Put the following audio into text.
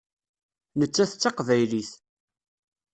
Nettat d Taqbaylit.